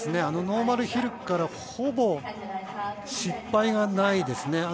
ノーマルヒルから、ほぼ失敗がないですね。